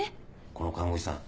この看護師さん